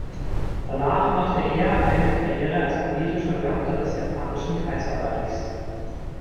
Danach machte er eine Karriere als politischer Beamter des japanischen Kaiserreichs.